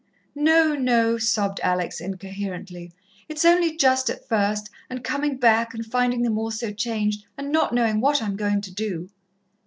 "No, no," sobbed Alex incoherently. "It's only just at first, and coming back and finding them all so changed, and not knowing what I am going to do."